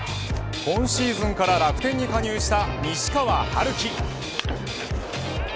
今シーズンから楽天に加入した西川遥輝。